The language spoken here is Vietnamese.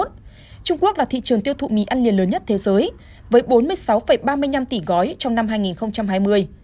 trung quốc là thị trường tiêu thụ mì ăn liền lớn nhất thế giới với bốn mươi sáu ba mươi năm tỷ gói trong năm hai nghìn hai mươi